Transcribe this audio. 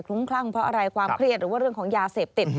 ุ้มคลั่งเพราะอะไรความเครียดหรือว่าเรื่องของยาเสพติด